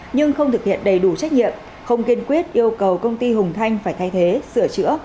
nhưng không thực hiện đầy đủ trách nhiệm không kiên quyết yêu cầu công ty hùng thanh phải thay thế sửa chữa